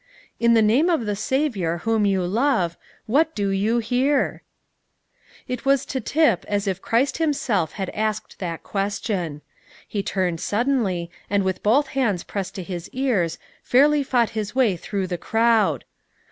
"In the name of the Saviour whom you love, what do you here?" It was to Tip as if Christ Himself had asked that question. He turned suddenly, and, with both hands pressed to his ears, fairly fought his way through the crowd.